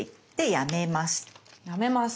やめます。